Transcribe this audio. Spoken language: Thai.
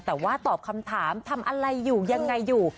แต่ว่าตอบคำถามทำอะไรอยู่ยังไงอยู่